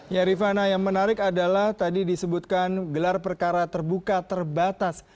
ya rifana yang menarik adalah tadi disebutkan gelar perkara terbuka terbatas